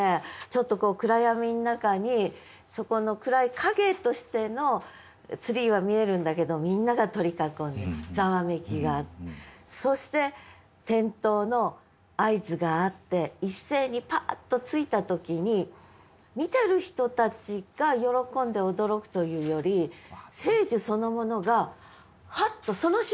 ちょっとこう暗闇の中にそこの暗い影としてのツリーは見えるんだけどみんなが取り囲んでざわめきがあってそして点灯の合図があって一斉にパッとついた時に見てる人たちが喜んで驚くというより聖樹そのものがハッとその瞬間に聖樹になった。